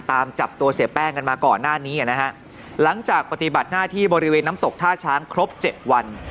ตามจับตัวเสียแป้งกันมาก่อนหน้านี้นะฮะหลังจากปฏิบัติหน้าที่บริเวณน้ำตกท่าช้างครบเจ็ดวัน